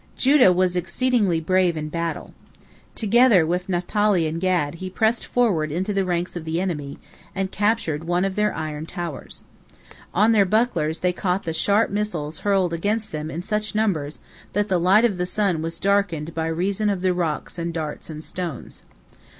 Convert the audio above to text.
Judah was exceedingly brave in battle. Together with Naphtali and Gad he pressed forward into the ranks of the enemy, and captured one of their iron towers. On their bucklers they caught the sharp missiles hurled against them in such numbers that the light of the sun was darkened by reason of the rocks and darts and stones.